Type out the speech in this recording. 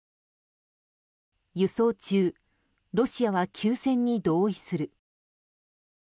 輸送中、ロシアは休戦に同意する。